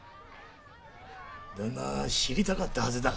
旦那知りたかったはずだ。